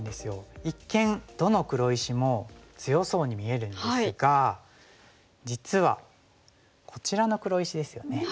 一見どの黒石も強そうに見えるんですが実はこちらの黒石ですよね。